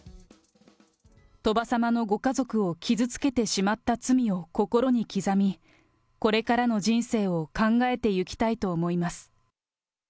鳥羽様のご家族を傷つけてしまった罪を心に刻み、これからの人生を考えてゆきたいと思います。